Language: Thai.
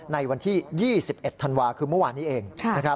ในวันที่๒๑ธันวาคคือเมื่อวานนี้เอง